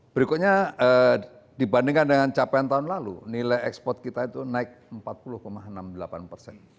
berikutnya dibandingkan dengan capaian tahun lalu nilai ekspor kita itu naik empat puluh enam puluh delapan persen